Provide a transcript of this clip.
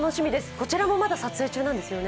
こちらもまだ撮影中なんですよね。